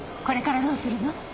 これからどうするの？